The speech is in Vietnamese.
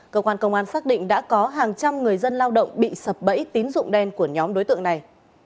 cơ quan công an xác định đã có hàng trăm người dân lao động bị sập bẫy tín dụng đen của nhóm đối tượng này